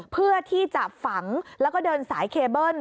เพื่อที่จะฝังแล้วก็เดินสายเคเบิ้ล